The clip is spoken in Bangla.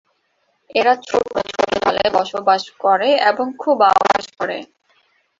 এরা ছোটো ছোটো দলে বসবাস করে এবং খুব আওয়াজ করে।